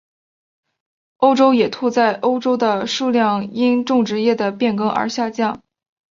欧洲野兔在欧洲的数量因种植业的变更而下降。